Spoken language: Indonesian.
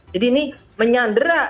jadi ini menyandera